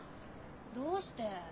どうして？